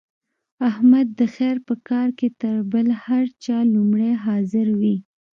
احمد د خیر په کار کې تر بل هر چا لومړی حاضر وي.